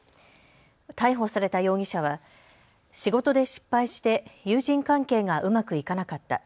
逮捕された容疑者は仕事で失敗して友人関係がうまくいかなかった。